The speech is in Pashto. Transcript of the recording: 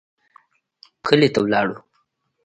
کلي ته ولاړو.